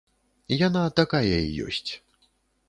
Яна такая і ёсць.